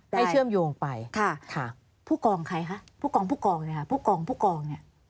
เชื่อมโยงไปค่ะค่ะผู้กองใครคะผู้กองผู้กองเนี่ยค่ะผู้กองผู้กองเนี่ย